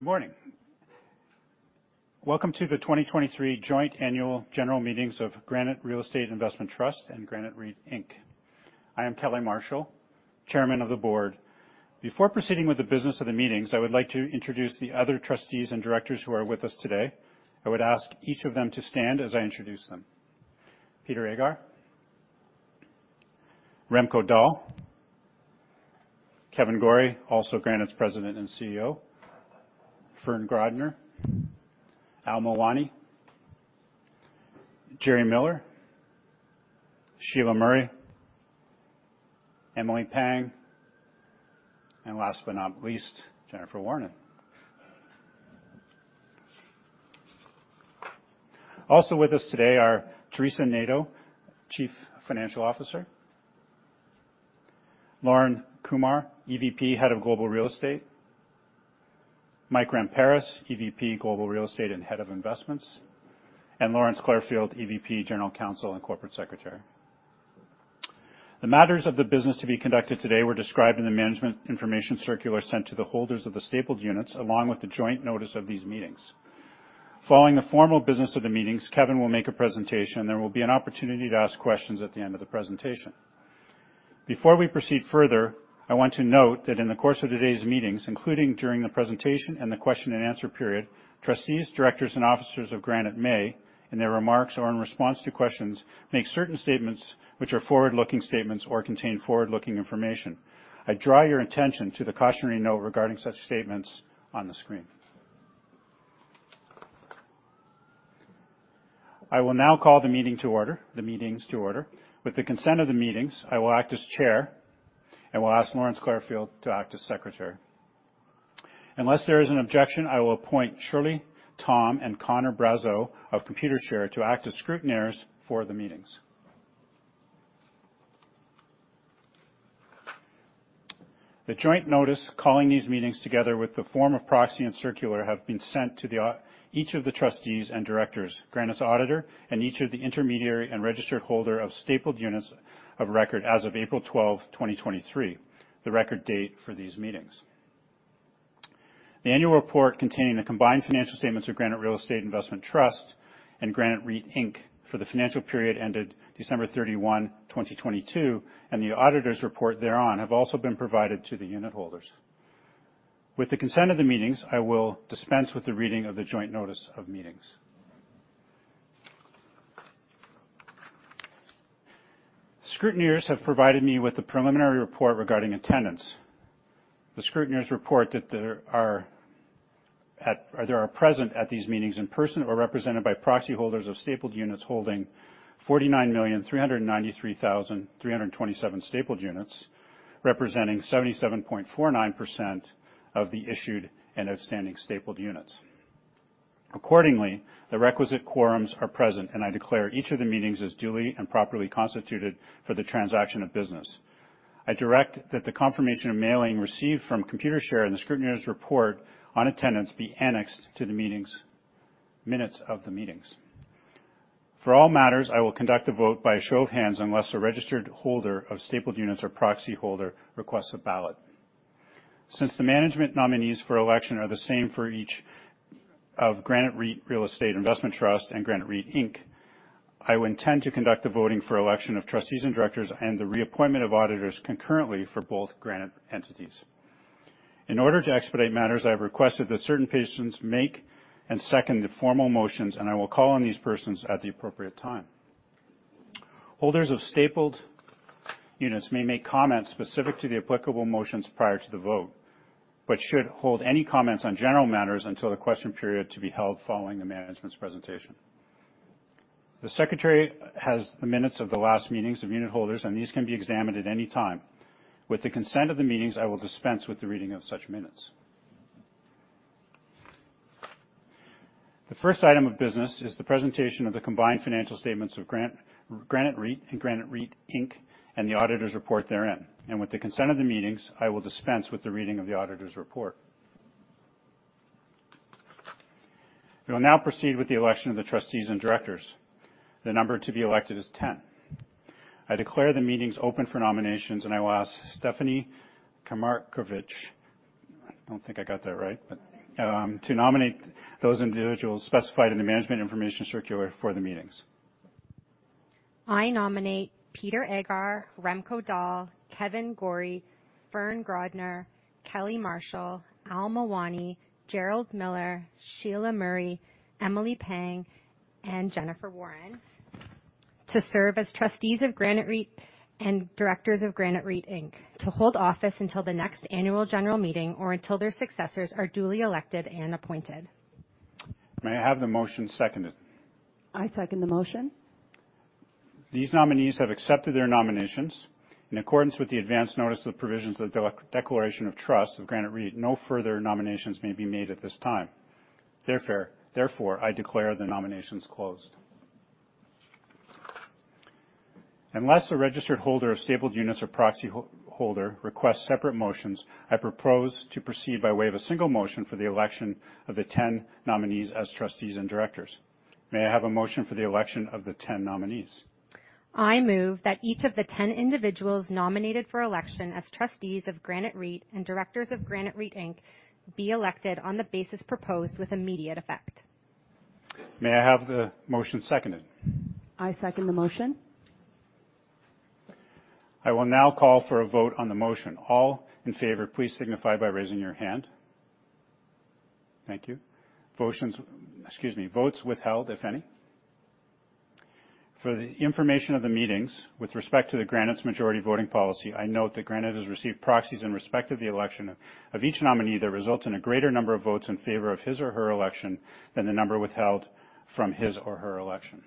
Good morning. Welcome to the 2023 Joint Annual General Meetings of Granite Real Estate Investment Trust and Granite REIT Inc. I am Kelly Marshall, Chairman of the Board. Before proceeding with the business of the meetings, I would like to introduce the other trustees and directors who are with us today. I would ask each of them to stand as I introduce them. Peter Aghar, Remco Daal, Kevan Gorrie, also Granite's President and Chief Executive Officer, Fern Grodner, Al Mawani, Jerry Miller, Sheila Murray, Emily Pang, and last but not least, Jennifer Warren. Also with us today are Teresa Neto, Chief Financial Officer, Lorne Kumer, EVP, Head of Global Real Estate, Michael Ramparas, EVP, Global Real Estate and Head of Investments, and Lawrence Clarfield, EVP, General Counsel and Corporate Secretary. The matters of the business to be conducted today were described in the management information circular sent to the holders of the Stapled Units, along with the joint notice of these meetings. Following the formal business of the meetings, Kevin will make a presentation, and there will be an opportunity to ask questions at the end of the presentation. Before we proceed further, I want to note that in the course of today's meetings, including during the presentation and the question and answer period, trustees, directors, and officers of Granite may, in their remarks or in response to questions, make certain statements which are forward-looking statements or contain forward-looking information. I draw your attention to the cautionary note regarding such statements on the screen. I will now call the meeting to order, the meetings to order. With the consent of the meetings, I will act as chair and will ask Lawrence Clarfield to act as secretary. Unless there is an objection, I will appoint Shirley, Tom, and Connor Brazo of Computershare to act as Scrutineers for the meetings. The joint notice calling these meetings, together with the form of proxy and circular, have been sent to each of the trustees and directors, Granite's auditor, and each of the intermediary and registered holder of stapled units of record as of April 12, 2023, the record date for these meetings. The annual report containing the combined financial statements of Granite Real Estate Investment Trust and Granite REIT Inc. for the financial period ended December 31, 2022, and the auditor's report thereon, have also been provided to the unitholders. With the consent of the meetings, I will dispense with the reading of the joint notice of meetings. Scrutineers have provided me with the preliminary report regarding attendance. The Scrutineers report that there are present at these meetings in person or represented by proxy holders of Stapled Units, holding 49,393,327 Stapled Units, representing 77.49% of the issued and outstanding Stapled Units. The requisite quorums are present, and I declare each of the meetings is duly and properly constituted for the transaction of business. I direct that the confirmation of mailing received from Computershare and the Scrutineers report on attendance be annexed to the meetings, minutes of the meetings. For all matters, I will conduct a vote by a show of hands, unless a registered holder of Stapled Units or proxy holder requests a ballot. Since the management nominees for election are the same for each of Granite REIT Real Estate Investment Trust and Granite REIT Inc., I intend to conduct the voting for election of trustees and directors and the reappointment of auditors concurrently for both Granite entities. In order to expedite matters, I've requested that certain persons make and second the formal motions, and I will call on these persons at the appropriate time. Holders of Stapled Units may make comments specific to the applicable motions prior to the vote, but should hold any comments on general matters until the question period to be held following the management's presentation. The Secretary has the minutes of the last meetings of unitholders, and these can be examined at any time. With the consent of the meetings, I will dispense with the reading of such minutes. The first item of business is the presentation of the combined financial statements of Granite REIT and Granite REIT Inc., and the auditor's report therein. With the consent of the meetings, I will dispense with the reading of the auditor's report. We will now proceed with the election of the trustees and directors. The number to be elected is 10. I declare the meetings open for nominations, and I will ask Stephanie Karamarkovic, I don't think I got that right, but to nominate those individuals specified in the management information circular for the meetings. I nominate Peter Aghar, Remco Daal, Kevan Gorrie, Fern Grodner, Kelly Marshall, Al Mawani, Gerald Miller, Sheila Murray, Emily Pang, and Jennifer Warren to serve as trustees of Granite REIT and directors of Granite REIT Inc. To hold office until the next annual general meeting or until their successors are duly elected and appointed. May I have the motion seconded? I second the motion. These nominees have accepted their nominations. In accordance with the advanced notice of the provisions of the declaration of trust of Granite REIT, no further nominations may be made at this time. Therefore, I declare the nominations closed. Unless a registered holder of Stapled Units or proxy holder requests separate motions, I propose to proceed by way of a single motion for the election of the 10 nominees as trustees and directors. May I have a motion for the election of the 10 nominees? I move that each of the 10 individuals nominated for election as trustees of Granite REIT and directors of Granite REIT Inc., be elected on the basis proposed with immediate effect. May I have the motion seconded? I second the motion. I will now call for a vote on the motion. All in favor, please signify by raising your hand. Thank you. Votes withheld, if any? For the information of the meetings, with respect to Granite's majority voting policy, I note that Granite has received proxies in respect of the election of each nominee that result in a greater number of votes in favor of his or her election than the number withheld from his or her election.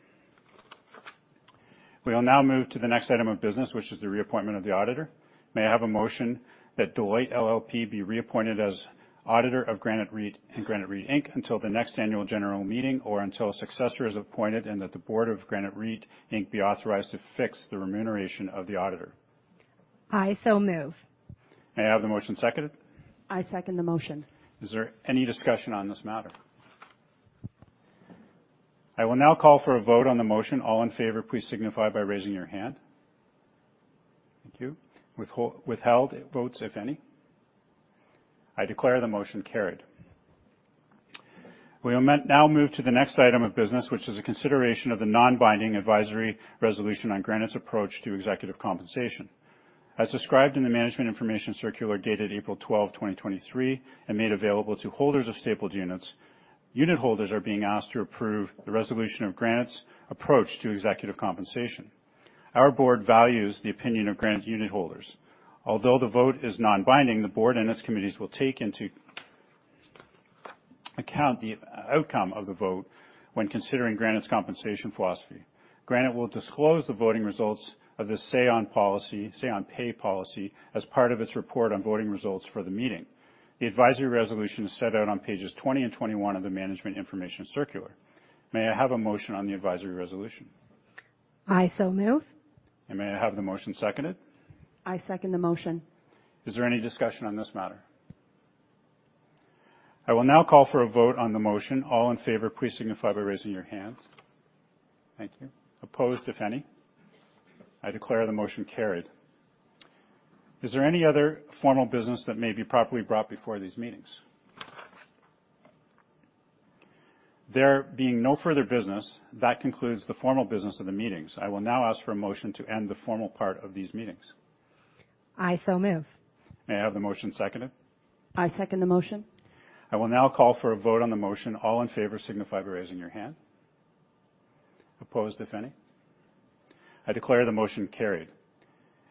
We will now move to the next item of business, which is the reappointment of the auditor. May I have a motion that Deloitte LLP be reappointed as auditor of Granite REIT and Granite REIT Inc. until the next Annual General Meeting or until a successor is appointed, and that the Board of Granite REIT Inc. be authorized to fix the remuneration of the auditor? I so move. May I have the motion seconded? I second the motion. Is there any discussion on this matter? I will now call for a vote on the motion. All in favor, please signify by raising your hand. Thank you. Withheld votes, if any? I declare the motion carried. We will now move to the next item of business, which is a consideration of the non-binding advisory resolution on Granite's approach to executive compensation. As described in the management information circular, dated April 12, 2023, and made available to holders of Stapled Units, unitholders are being asked to approve the resolution of Granite's approach to executive compensation. Our board values the opinion of Granite unitholders. Although the vote is non-binding, the board and its committees will take into account the outcome of the vote when considering Granite's compensation philosophy. Granite will disclose the voting results of the say on pay policy, as part of its report on voting results for the meeting. The advisory resolution is set out on pages 20 and 21 of the Management Information Circular. May I have a motion on the advisory resolution? I so move. May I have the motion seconded? I second the motion. Is there any discussion on this matter? I will now call for a vote on the motion. All in favor, please signify by raising your hands. Thank you. Opposed, if any? I declare the motion carried. Is there any other formal business that may be properly brought before these meetings? There being no further business, that concludes the formal business of the meetings. I will now ask for a motion to end the formal part of these meetings. I so move. May I have the motion seconded? I second the motion. I will now call for a vote on the motion. All in favor, signify by raising your hand. Opposed, if any? I declare the motion carried.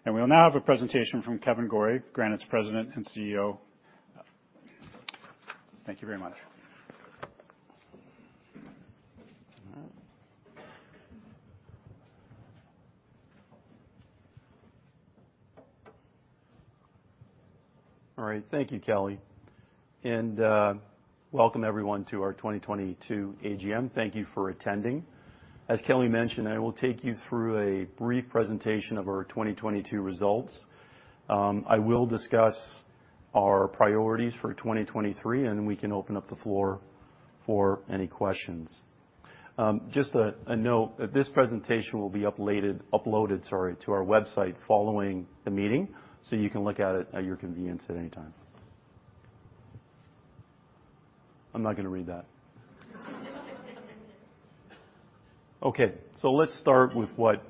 We will now have a presentation from Kevan Gorrie, Granite's President and CEO. Thank you very much. All right. Thank you, Kelly, welcome everyone to our 2022 AGM. Thank you for attending. As Kelly mentioned, I will take you through a brief presentation of our 2022 results. I will discuss our priorities for 2023, and we can open up the floor for any questions. Just a note, this presentation will be uploaded, sorry, to our website, following the meeting, so you can look at it at your convenience at any time. I'm not going to read that. Okay, let's start with what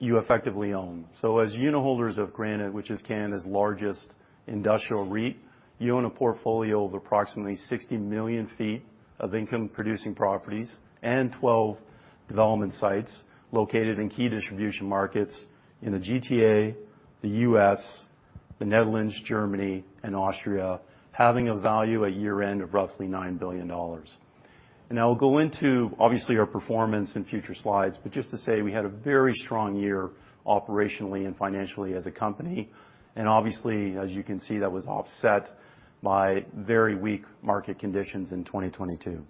you effectively own. As unitholders of Granite, which is Canada's largest industrial REIT, you own a portfolio of approximately 60 million feet of income-producing properties and 12 development sites located in key distribution markets in the GTA, the U.S., the Netherlands, Germany, and Austria, having a value at year-end of roughly 9 billion dollars. I will go into, obviously, our performance in future slides, but just to say we had a very strong year, operationally and financially as a company, and obviously, as you can see, that was offset by very weak market conditions in 2022.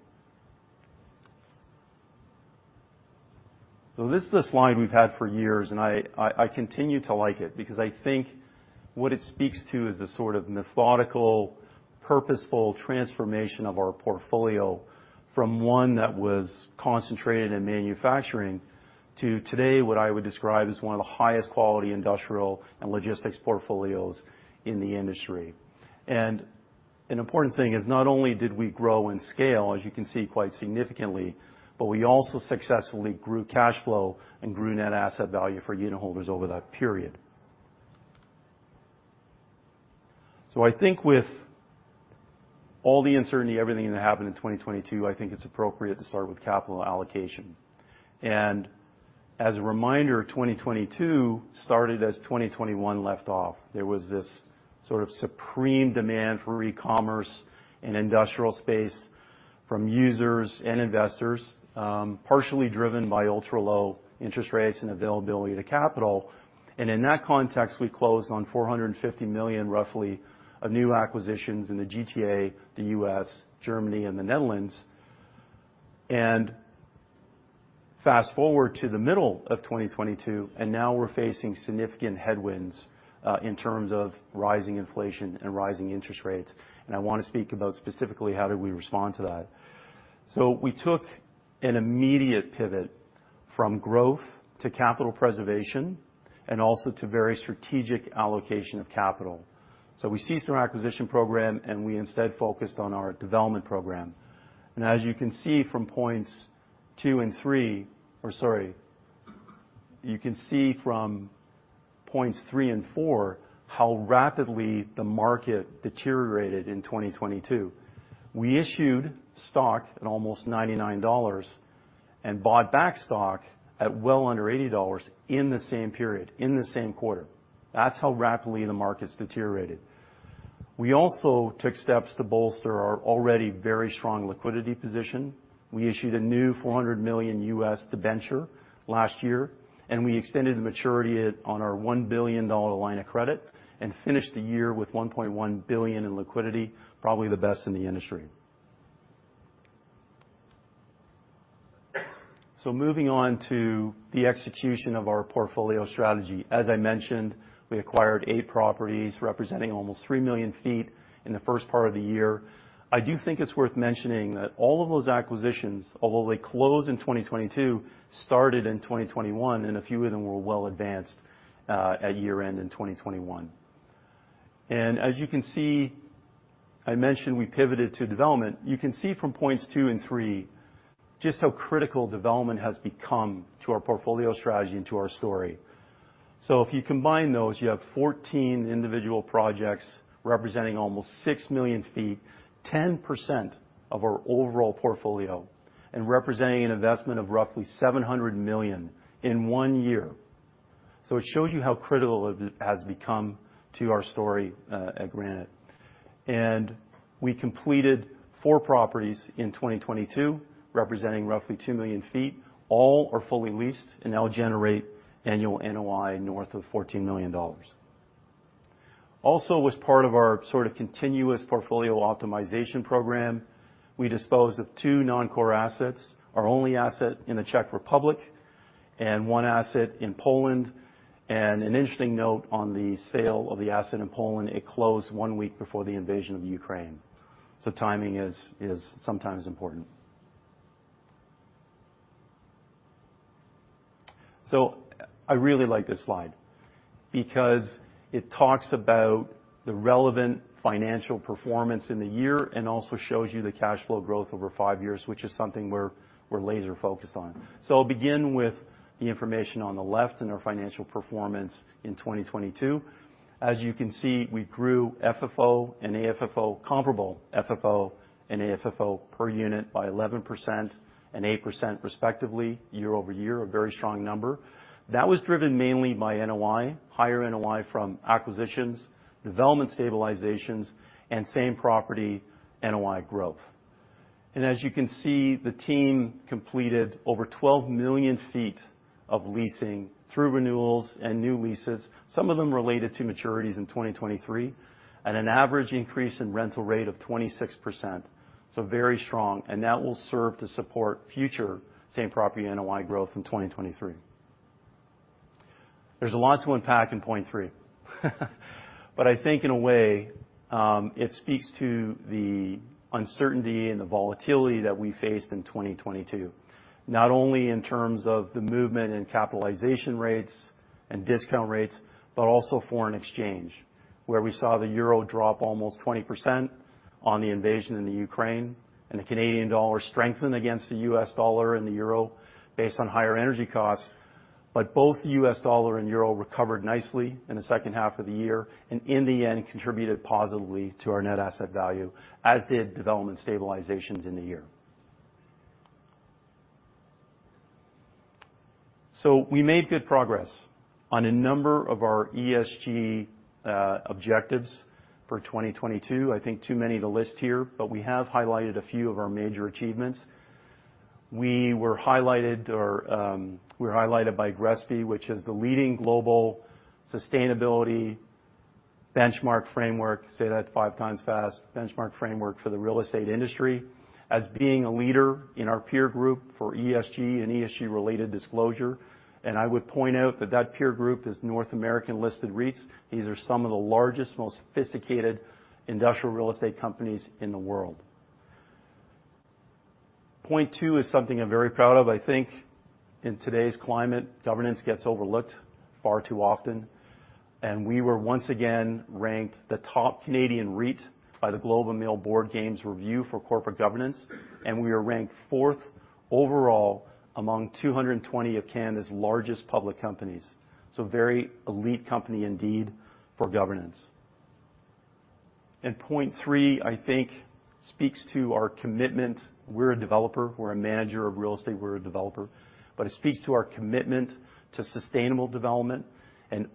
This is a slide we've had for years, and I continue to like it because I think what it speaks to is the sort of methodical, purposeful transformation of our portfolio from one that was concentrated in manufacturing, to today, what I would describe as one of the highest quality industrial and logistics portfolios in the industry. An important thing is not only did we grow in scale, as you can see, quite significantly, but we also successfully grew cash flow and grew net asset value for unitholders over that period. I think with all the uncertainty, everything that happened in 2022, I think it's appropriate to start with capital allocation. As a reminder, 2022 started as 2021 left off. There was this sort of supreme demand for e-commerce and industrial space from users and investors, partially driven by ultra-low interest rates and availability to capital. In that context, we closed on 450 million, roughly, of new acquisitions in the GTA, the U.S., Germany, and the Netherlands. Fast-forward to the middle of 2022, and now we're facing significant headwinds, in terms of rising inflation and rising interest rates. I want to speak about specifically, how did we respond to that. We took an immediate pivot from growth to capital preservation, and also to very strategic allocation of capital. We ceased our acquisition program, and we instead focused on our development program. As you can see from points three and four, how rapidly the market deteriorated in 2022. We issued stock at almost $99 and bought back stock at well under $80 in the same period, in the same quarter. That's how rapidly the markets deteriorated. We also took steps to bolster our already very strong liquidity position. We issued a new $400 million debenture last year, and we extended the maturity on our $1 billion line of credit, and finished the year with $1.1 billion in liquidity, probably the best in the industry. Moving on to the execution of our portfolio strategy. As I mentioned, we acquired eight properties, representing almost 3 million sq ft in the first part of the year. I do think it's worth mentioning that all of those acquisitions, although they closed in 2022, started in 2021, and a few of them were well advanced at year-end in 2021. As you can see, I mentioned we pivoted to development. You can see from points two and three, just how critical development has become to our portfolio strategy and to our story. If you combine those, you have 14 individual projects representing almost 6 million sq ft, 10% of our overall portfolio, and representing an investment of roughly 700 million in one year. It shows you how critical it has become to our story at Granite. We completed four properties in 2022, representing roughly 2 million sq ft. All are fully leased and now generate annual NOI north of 14 million dollars. As part of our sort of continuous portfolio optimization program, we disposed of two non-core assets, our only asset in the Czech Republic, and one asset in Poland. An interesting note on the sale of the asset in Poland, it closed one week before the invasion of Ukraine, timing is sometimes important. I really like this slide because it talks about the relevant financial performance in the year and also shows you the cash flow growth over five years, which is something we're laser-focused on. I'll begin with the information on the left and our financial performance in 2022. As you can see, we grew FFO and AFFO, comparable FFO and AFFO per unit by 11% and 8% respectively, year-over-year, a very strong number. That was driven mainly by NOI, higher NOI from acquisitions, development stabilizations, and same-property NOI growth. As you can see, the team completed over 12 million feet of leasing through renewals and new leases, some of them related to maturities in 2023, at an average increase in rental rate of 26%, so very strong, and that will serve to support future same-property NOI growth in 2023. There's a lot to unpack in point three. I think in a way, it speaks to the uncertainty and the volatility that we faced in 2022, not only in terms of the movement in capitalization rates and discount rates, but also foreign exchange, where we saw the euro drop almost 20% on the invasion in the Ukraine and the Canadian dollar strengthen against the U.S. dollar and the euro based on higher energy costs. Both the U.S. dollar and euro recovered nicely in the second half of the year, and in the end, contributed positively to our net asset value, as did development stabilizations in the year. We made good progress on a number of our ESG objectives for 2022. I think too many to list here, but we have highlighted a few of our major achievements. We were highlighted by GRESB, which is the leading global sustainability benchmark framework, say that five times fast, benchmark framework for the real estate industry, as being a leader in our peer group for ESG and ESG-related disclosure. I would point out that that peer group is North American-listed REITs. These are some of the largest, most sophisticated industrial real estate companies in the world. Point two is something I'm very proud of. I think in today's climate, governance gets overlooked far too often. We were once again ranked the top Canadian REIT by The Globe and Mail Board Games Review for corporate governance. We are ranked fourth overall among 220 of Canada's largest public companies. Very elite company indeed for governance. Point three, I think, speaks to our commitment. We're a developer. We're a manager of real estate. We're a developer. It speaks to our commitment to sustainable development.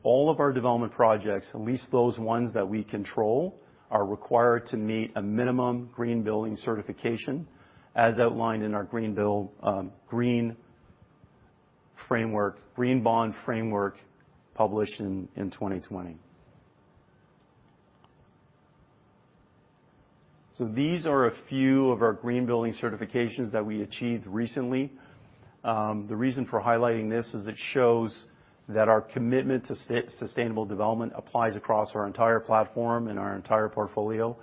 All of our development projects, at least those ones that we control, are required to meet a minimum green building certification, as outlined in our Green Bond Framework, published in 2020. These are a few of our green building certifications that we achieved recently. The reason for highlighting this is it shows. that our commitment to sustainable development applies across our entire platform and our entire portfolio.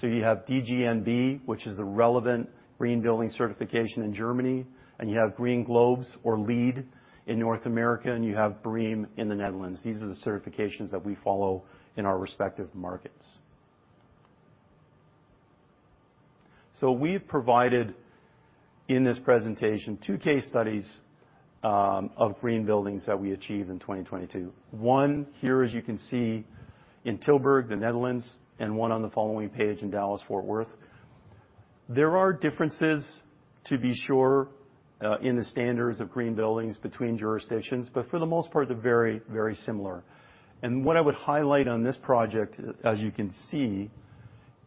You have DGNB, which is the relevant green building certification in Germany, and you have Green Globes or LEED in North America, and you have BREEAM in the Netherlands. These are the certifications that we follow in our respective markets. We've provided, in this presentation, two case studies of green buildings that we achieved in 2022. One, here, as you can see, in Tilburg, the Netherlands, and one on the following page in Dallas-Fort Worth. There are differences, to be sure, in the standards of green buildings between jurisdictions, but for the most part, they're very, very similar. What I would highlight on this project, as you can see,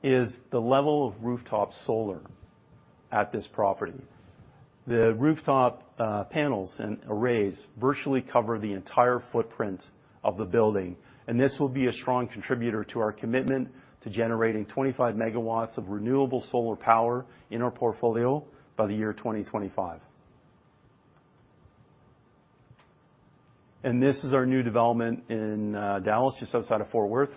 is the level of rooftop solar at this property. The rooftop panels and arrays virtually cover the entire footprint of the building. This will be a strong contributor to our commitment to generating 25 MW of renewable solar power in our portfolio by the year 2025. This is our new development in Dallas, just outside of Fort Worth.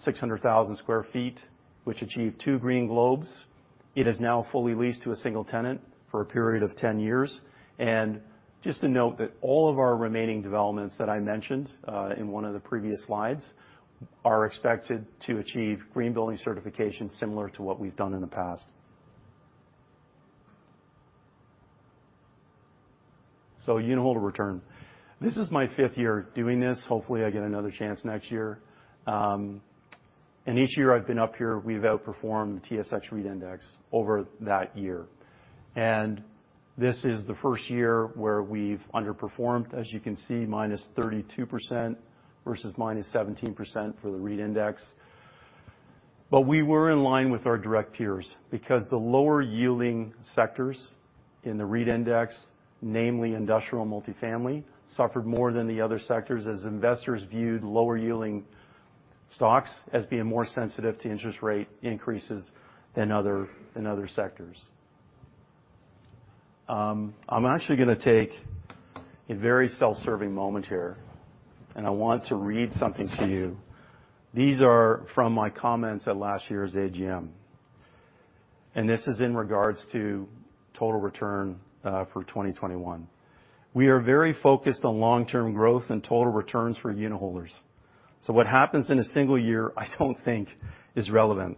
600,000 sq ft, which achieved two Green Globes. It is now fully leased to a single tenant for a period of 10 years. Just to note that all of our remaining developments that I mentioned in one of the previous slides are expected to achieve green building certification, similar to what we've done in the past. Unitholder return. This is my fifth year doing this. Hopefully, I get another chance next year. Each year I've been up here, we've outperformed the TSX REIT Index over that year. This is the first year where we've underperformed, as you can see, -32% versus -17% for the REIT Index. We were in line with our direct peers, because the lower-yielding sectors in the REIT Index, namely industrial multifamily, suffered more than the other sectors as investors viewed lower-yielding stocks as being more sensitive to interest rate increases than other sectors. I'm actually gonna take a very self-serving moment here, and I want to read something to you. These are from my comments at last year's AGM. This is in regards to total return for 2021. We are very focused on long-term growth and total returns for unitholders. What happens in a single year, I don't think is relevant.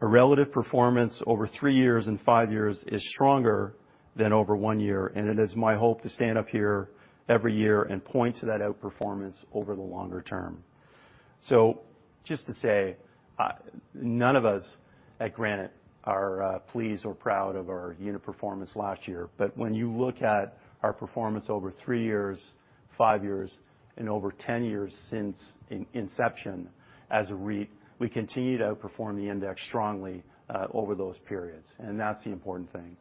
A relative performance over three years and five years is stronger than over one year, it is my hope to stand up here every year and point to that outperformance over the longer term. Just to say, none of us at Granite are pleased or proud of our unit performance last year. When you look at our performance over three years, five years, and over 10 years since inception as a REIT, we continue to outperform the index strongly over those periods, and that's the important thing.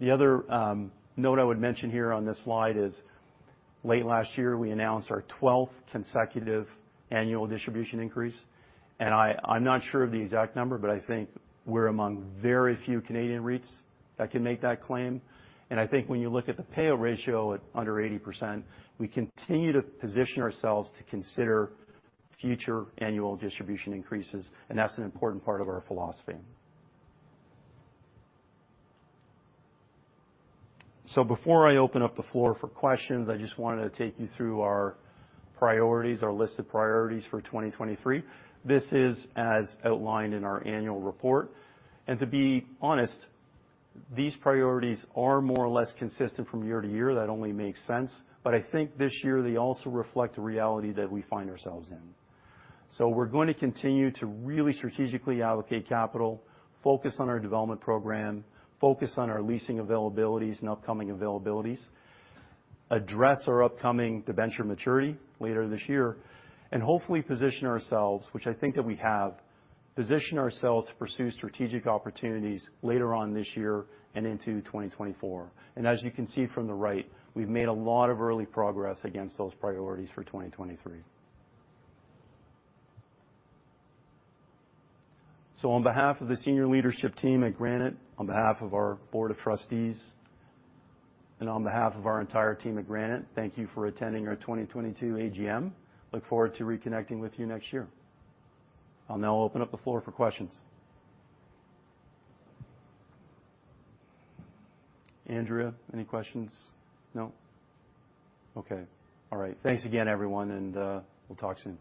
The other note I would mention here on this slide is, late last year, we announced our 12th consecutive annual distribution increase, I'm not sure of the exact number, but I think we're among very few Canadian REITs that can make that claim. I think when you look at the payout ratio at under 80%, we continue to position ourselves to consider future annual distribution increases, and that's an important part of our philosophy. Before I open up the floor for questions, I just wanted to take you through our priorities, our list of priorities for 2023. This is as outlined in our annual report. To be honest, these priorities are more or less consistent from year to year. That only makes sense. I think this year, they also reflect the reality that we find ourselves in. We're going to continue to really strategically allocate capital, focus on our development program, focus on our leasing availabilities and upcoming availabilities, address our upcoming debenture maturity later this year, and hopefully position ourselves, which I think that we have, position ourselves to pursue strategic opportunities later on this year and into 2024. As you can see from the right, we've made a lot of early progress against those priorities for 2023. On behalf of the senior leadership team at Granite, on behalf of our Board of Trustees, and on behalf of our entire team at Granite, thank you for attending our 2022 AGM. Look forward to reconnecting with you next year. I'll now open up the floor for questions. Andrea, any questions? No? Okay. All right. Thanks again, everyone, and, we'll talk soon.